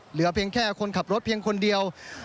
เหลือเพียงแค่คนขับรถเพียงคนเดียว